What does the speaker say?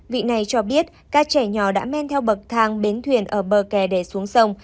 vị này cho biết các trẻ nhỏ đã men theo bậc thang bến thuyền ở bờ kè để xuống sông